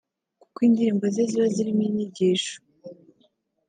kuko indirimbo ze ziba zirimo inyigisho